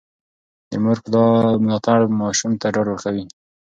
د مور ملاتړ ماشوم ته ډاډ ورکوي.